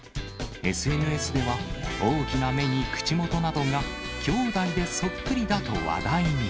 ＳＮＳでは、大きな目に口元などが兄弟でそっくりだと話題に。